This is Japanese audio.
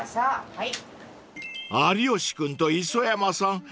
はい。